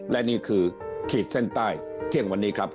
และนี่คือขีดเส้นใต้เที่ยงวันนี้ครับ